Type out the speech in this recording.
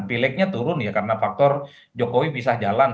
pileknya turun ya karena faktor jokowi pisah jalan